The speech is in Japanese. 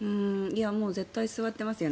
絶対座ってますよね。